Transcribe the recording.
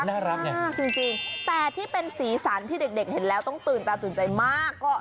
น่ารักไงจริงแต่ที่เป็นสีสันที่เด็กเห็นแล้วต้องตื่นตาตื่นใจมากก็